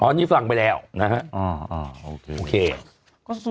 อ้อนี่ฟังไปแล้วนะฮะอ่อออก็สุดท้ายก็คือ